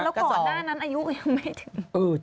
แล้วก็ก่อนด้านอายุก็ยังไม่ถึง